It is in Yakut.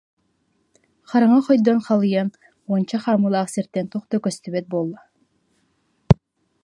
Хараҥа хойдон халыйан, уонча хаамыылаах сиртэн туох да көстүбэт буолла